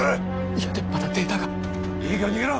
いやでもまだデータがいいから逃げろ！